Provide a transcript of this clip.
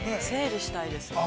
整理したいです。